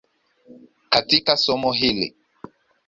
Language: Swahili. katika somo hili.